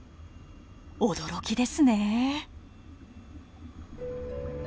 驚きですね。